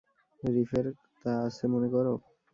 রিফের তা আছে মনে করো?